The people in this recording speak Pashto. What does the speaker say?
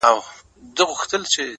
د هغې خوله ! شونډي ! پېزوان او زنـي!